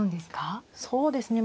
そうですね。